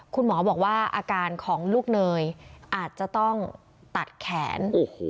คุณหมอบอกว่าอาการของลูกเนยอาจจะต้องตัดแขน